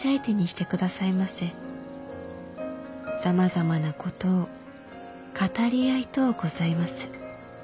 さまざまなことを語り合いとうございます。